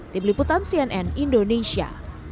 tim liputan cnn indonesia